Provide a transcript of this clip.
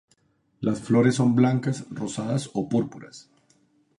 Las flores son blancas, rosadas o púrpuras.